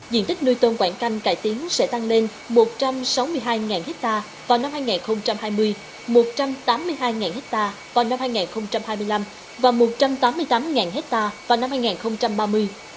diện tích nuôi tôm quảng canh cải tiến sẽ tăng lên một trăm sáu mươi hai hectare vào năm hai nghìn hai mươi một trăm tám mươi hai ha vào năm hai nghìn hai mươi năm và một trăm tám mươi tám hectare vào năm hai nghìn ba mươi